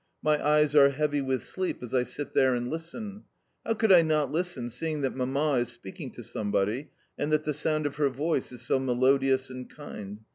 My eyes are heavy with sleep as I sit there and listen. How could I not listen, seeing that Mamma is speaking to somebody, and that the sound of her voice is so melodious and kind?